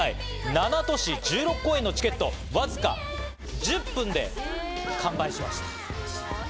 ７都市１６公演のチケット、わずか１０分で完売しました。